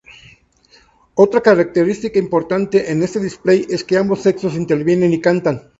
Otra característica importante en este display, es que ambos sexos intervienen y cantan.